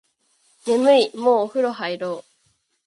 眠いもうお風呂入ろう